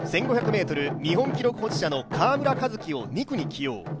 １５００ｍ日本記録保持者の河村一輝を２区に起用。